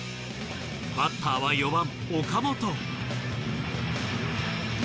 バッターは４番。